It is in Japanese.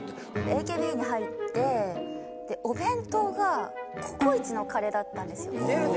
ＡＫＢに入ってお弁当がココイチのカレーだったんですよ。